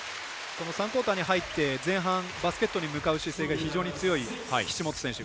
３クオーターに入って前半バスケットに向かう姿勢が非常に強い岸本選手。